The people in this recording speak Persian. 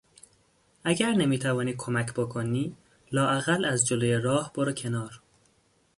اگر نمیتوانی کمکی بکنی لااقل از جلوی راه برو کنار!